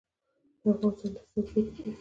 د افغانستان دوستان څوک دي؟